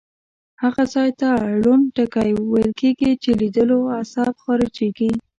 هغه ځای ته ړوند ټکی ویل کیږي چې لیدلو عصب خارجیږي.